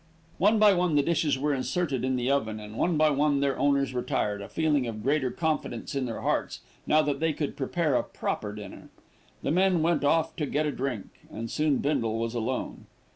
One by one the dishes were inserted in the oven, and one by one their owners retired, a feeling of greater confidence in their hearts now that they could prepare a proper dinner. The men went off to get a drink, and soon Bindle was alone.